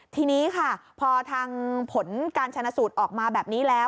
ทีนี้ค่ะพอทางผลการชนะสูตรออกมาแบบนี้แล้ว